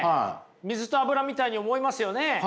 水と油みたいに思いますよね。